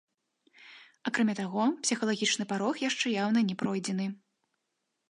Акрамя таго, псіхалагічны парог яшчэ яўна не пройдзены.